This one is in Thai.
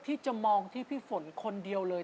ที่จะมองที่พี่ฝนคนเดียวเลย